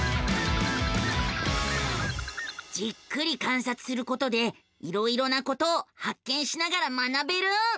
じっくり観察することでいろいろなことを発見しながら学べる。